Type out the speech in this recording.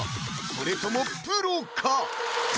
それともプロか？